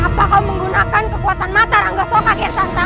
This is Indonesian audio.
apa kau menggunakan kekuatan mata rangga soka kin santal